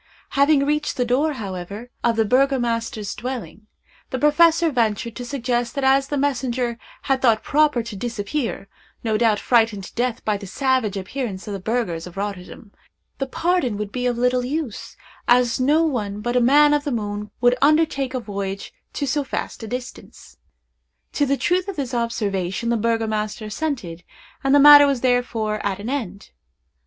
Having reached the door, however, of the burgomaster's dwelling, the professor ventured to suggest that as the messenger had thought proper to disappear—no doubt frightened to death by the savage appearance of the burghers of Rotterdam—the pardon would be of little use, as no one but a man of the moon would undertake a voyage to so vast a distance. To the truth of this observation the burgomaster assented, and the matter was therefore at an end.